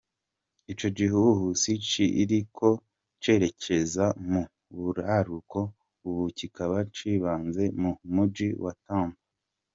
Ico gihuhusi kiriko cerekeza mu buraruko, ubu kikaba cibanze mu muji ca Tampa.